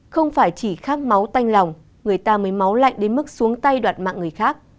không phải chỉ khát máu tanh lòng người ta mới máu lạnh đến mức xuống tay đoạt mạng người khác